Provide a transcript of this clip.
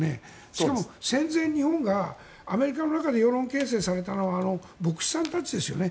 しかも、戦前日本がアメリカの中で世論形成されたのは牧師さんたちですよね。